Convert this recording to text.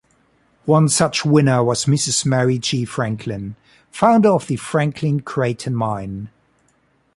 One such winner was Mrs. Mary G. Franklin, founder of the Franklin-Creighton Mine.